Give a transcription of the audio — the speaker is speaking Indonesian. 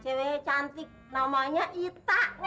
cewek cantik namanya ita